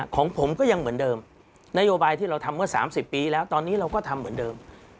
ของผมก็ยังเหมือนเดิมนโยบายที่เราทำเมื่อ๓๐ปีแล้วตอนนี้เราก็ทำเหมือนเดิม